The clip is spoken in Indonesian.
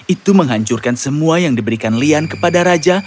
itu menghancurkan semua yang diberikan lian kepada raja